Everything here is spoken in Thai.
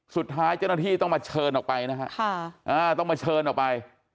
สุดท้ายเจ้าหน้าที่ต้องมาเชิญออกไปนะฮะต้องมาเชิญออกไป